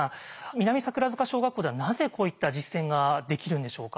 南桜塚小学校ではなぜこういった実践ができるんでしょうか？